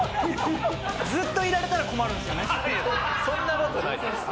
そんなことない。